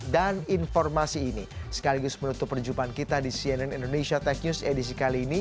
dan informasi ini sekaligus menutup perjumpaan kita di cnn indonesia tech news edisi kali ini